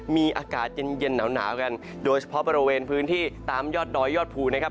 มีอากาศเย็นเย็นหนาวกันโดยเฉพาะบริเวณพื้นที่ตามยอดดอยยอดภูนะครับ